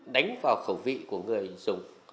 đánh vào khẩu vị của người dùng